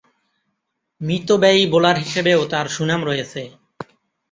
মিতব্যয়ী bowler হিসেবেও তার সুনাম রয়েছে।